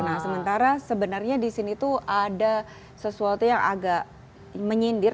nah sementara sebenarnya di sini tuh ada sesuatu yang agak menyindir